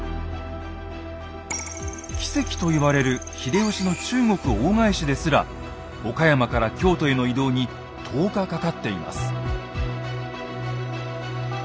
奇跡と言われる秀吉の中国大返しですら岡山から京都への移動に１０日かかっています。